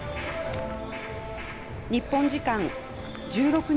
日本時間１６日